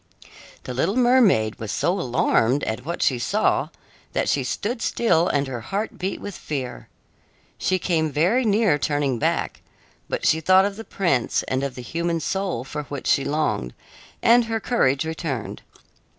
The little mermaid was so alarmed at what she saw that she stood still and her heart beat with fear. She came very near turning back, but she thought of the prince and of the human soul for which she longed, and her courage returned.